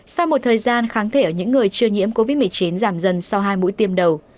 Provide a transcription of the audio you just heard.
sau một thời gian kháng thể ở những người chưa nhiễm covid một mươi chín giảm dần sau hai mũi tiêm đầu